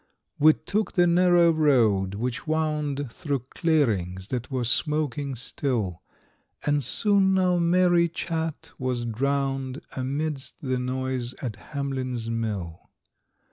We took the narrow road which wound Through clearings that were smoking still; And soon our merry chat was drowned Amidst the noise at Hamlin's Mill.